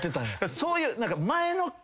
そういう。